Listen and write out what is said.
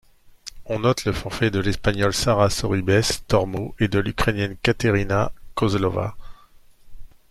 On note le forfait de l'Espagnole Sara Sorribes Tormo et de l'Ukrainienne Kateryna Kozlova.